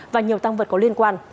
và nhiều tăng vật có liên quan